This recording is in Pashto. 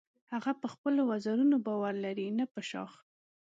هغه په خپلو وزرونو باور لري نه په شاخ.